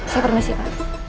saya permisi pa